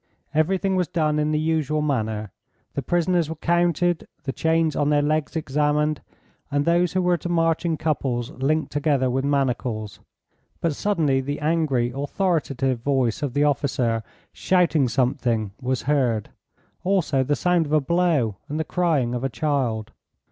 Everything was done in the usual manner. The prisoners were counted, the chains on their legs examined, and those who were to march in couples linked together with manacles. But suddenly the angry, authoritative voice of the officer shouting something was heard, also the sound of a blow and the crying of a child.